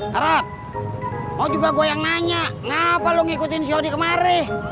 harad mau juga gue yang nanya kenapa lo ngikutin si odi kemari